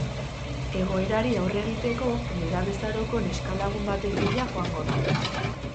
Egoerari aurre egiteko, nerabezaroko neska-lagun baten bila joango da.